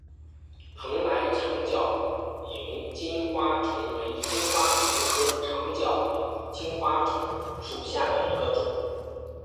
蓬莱长脚萤金花虫为金花虫科长脚萤金花虫属下的一个种。